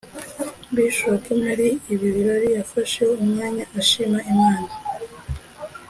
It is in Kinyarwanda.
Bishop muri ibi birori yafashe umwanya ashima Imana